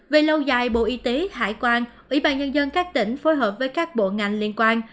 về lâu dài bộ y tế hải quan ủy ban nhân dân các tỉnh phối hợp với các bộ ngành liên quan